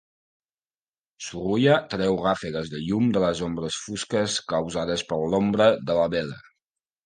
Sorolla treu ràfegues de llum de les ombres fosques causades per l'ombra de la vela.